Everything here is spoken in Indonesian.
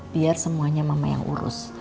biar semuanya mama yang urus